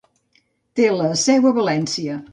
Té la seu a València.